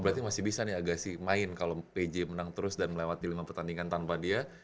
berarti masih bisa nih agasi main kalau pj menang terus dan melewati lima pertandingan tanpa dia